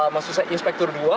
maksud saya inspektor dua